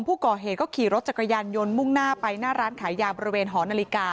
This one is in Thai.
ผู้ก่อเหตุก็ขี่รถจักรยานยนต์มุ่งหน้าไปหน้าร้านขายยาบริเวณหอนาฬิกา